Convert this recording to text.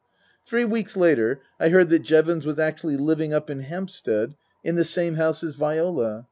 Three weeks later I heard that Jevons was actually living up in Hampstead in the same house as Viola.